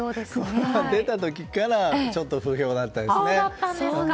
出た時からちょっと不評だったんですね。